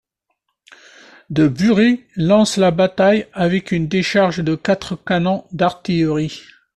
De Burie lance la bataille avec une décharge de quatre canons d'artillerie.